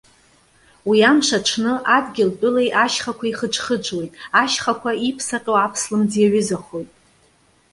Уи амш аҽны, адгьылтәылеи ашьхақәеи хыџхыџуеит, ашьхақәа иԥсаҟьоу аԥслымӡ иаҩызахоит.